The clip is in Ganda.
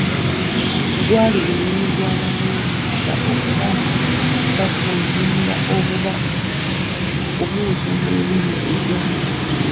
Gwali mulimu gw’abanooyereza okuba nga bavvuunula obubaka okubuzza mu lulimi Oluganda.